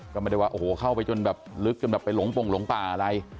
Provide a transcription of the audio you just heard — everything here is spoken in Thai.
ก็ไม่ได้ว่าโอ้โหเข้าไปจนแบบลึกจนแบบไปหลงปงหลงป่าอะไร